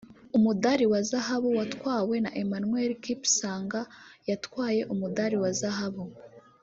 umudali wa zahabu watwawe na Emmanuel Kipsang yatwaye umudali wa zahabu